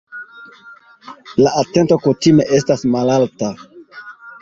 La atento kutime estas malalta.